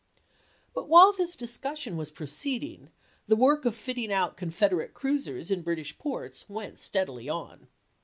But while this discussion was proceeding the work of fitting out Confederate cruisers in British "Papers Ports wcut stcadily on.